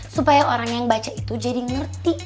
supaya orang yang baca itu jadi ngerti